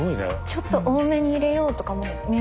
ちょっと多めに入れようとか思うんですか？